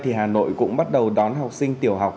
hội cũng bắt đầu đón học sinh tiểu học